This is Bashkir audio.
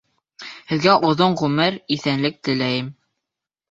Һеҙгә оҙон ғүмер, иҫәнлек теләйем.